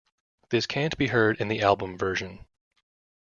This can't be heard in the album version.